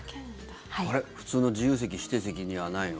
あれ、普通の自由席、指定席にはないの？